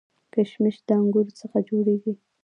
کشمش د انګورو څخه جوړیږي